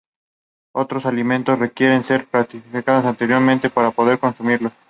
Otros alimentos requieren ser planificados con antelación para poder ser consumidos.